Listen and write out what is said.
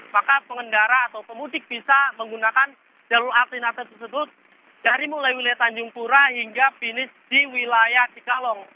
maka pengendara atau pemudik bisa menggunakan jalur alternatif tersebut dari mulai wilayah tanjung pura hingga finish di wilayah cikalong